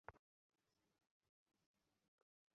তর্জন গর্জন করতে লাগল আর ধমকাতে লাগল।